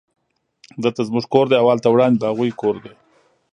دلته زموږ کور دی او هلته وړاندې د هغوی کور دی